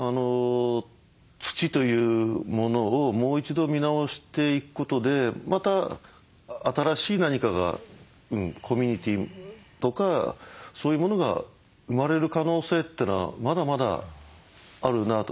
土というものをもう一度見直していくことでまた新しい何かがコミュニティーとかそういうものが生まれる可能性っていうのはまだまだあるなと。